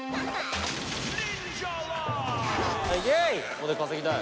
ここで稼ぎたい。